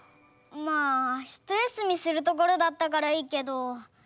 まあひとやすみするところだったからいいけど。